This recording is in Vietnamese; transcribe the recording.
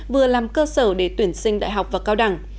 vừa làm cơ sở để tuyển sinh đại học và cao đẳng